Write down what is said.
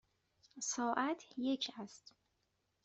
ساعت یک است.